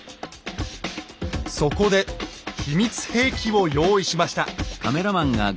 そこで秘密兵器を用意しました。